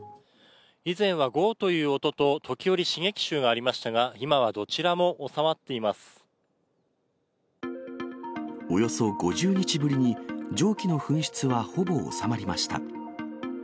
以前はゴーっていう音と、時折、刺激臭がありましたが、およそ５０日ぶりに、蒸気の噴出はほぼ収まりました。